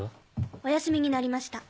おやすみになりました。